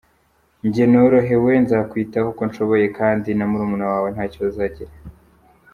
Njye norohewe nzakwitaho uko nshoboye kandi na murumuna wawe nta kibazo azagira.